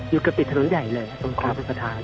อยู่กระติดถนนใหญ่เลยตรงคอบสถาน